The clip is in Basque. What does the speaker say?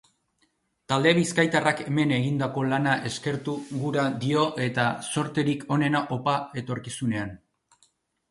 Talde bizkaitarrak hemen egindako lana eskertu gura dio eta zorterik onena opa etorkizunean.